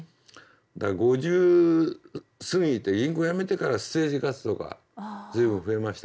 だから５０過ぎて銀行辞めてからステージ活動が随分増えました。